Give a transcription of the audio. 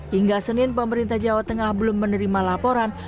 hingga senin pemerintah jawa tengah belum menerima laporan